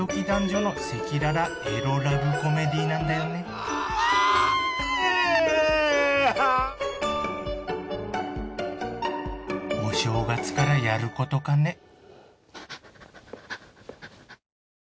男女の赤裸々エロラブコメディーなんだよねお正月からやることかね